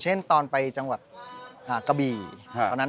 ชื่องนี้ชื่องนี้ชื่องนี้ชื่องนี้ชื่องนี้